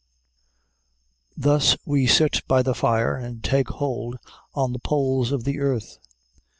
Thus we sit by the fire, and take hold on the poles of the earth.